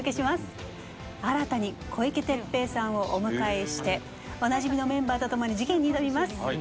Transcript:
新たに小池徹平さんをお迎えしておなじみのメンバーとともに事件に挑みます。